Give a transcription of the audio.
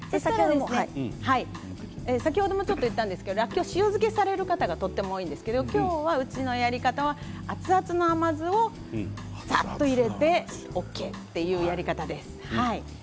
先ほどもちょっと言ったんですけどらっきょうは塩漬けされる方が多いんですけれども今日はうちのやり方は熱々の甘酢を入れてＯＫというやり方です。